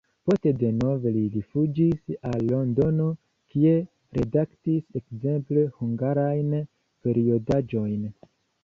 Poste denove li rifuĝis al Londono, kie redaktis ekzemple hungarajn periodaĵojn.